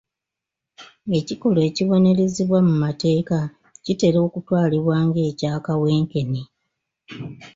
Ekikolwa ekibonerezebwa mu mateeka kitera okutwalibwa ng'ekya kawenkene.